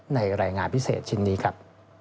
รายงานพิเศษชิ้นนี้ครับ